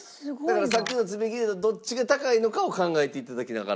だからさっきの爪切りとどっちが高いのかを考えて頂きながら。